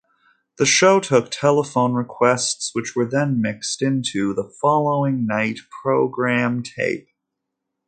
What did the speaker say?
The show took telephone requests which were then mixed into the following-night program tape.